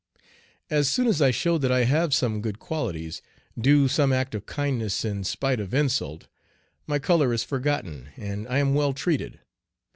As soon as I show that I have some good qualities, do some act of kindness in spite of insult, my color is forgotten and I am well treated.